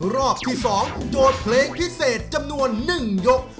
รอบที่๒โจทย์เพลงพิเศษจำนวน๑ยก